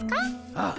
ああ。